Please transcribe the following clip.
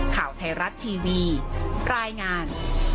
ข่าวไทยรัฐทีวีรายงาน